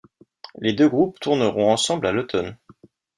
Les deux groupes tourneront ensemble à l'automne.